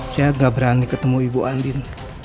saya gak berani ketemu ibu andin